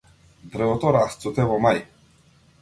Дрвото расцуте во мај.